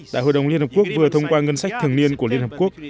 đại hội đồng liên hợp quốc vừa thông qua ngân sách thường niên của liên hợp quốc